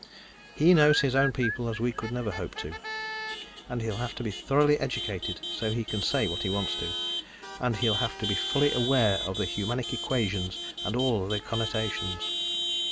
"He knows his own people as we could never hope to. And he'll have to be thoroughly educated, so he can say what he wants to. And he'll have to be fully aware of the humanic equations and all their connotations.